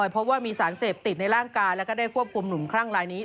เพราะว่ามีสารเสพติดในร่างกายแล้วก็ได้ควบคุมหนุ่มคลั่งลายนี้